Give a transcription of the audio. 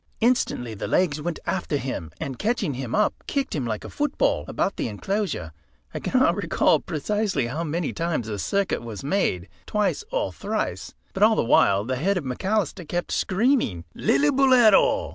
Instantly the legs went after him, and catching him up kicked him like a football about the enclosure. I cannot recall precisely how many times the circuit was made, twice or thrice, but all the while the head of McAlister kept screaming "Lillibulero!"